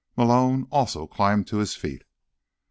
Malone also climbed to his feet.